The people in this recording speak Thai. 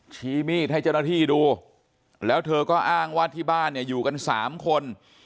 ชี้มีดให้เจ้าหน้าที่ดูแล้วเธอก็อ้างว่าที่บ้านเนี่ยอยู่กัน๓คน